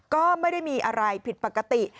ก็ไม่ได้มีอะไรผิดปกติ